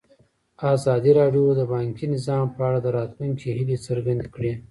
ازادي راډیو د بانکي نظام په اړه د راتلونکي هیلې څرګندې کړې.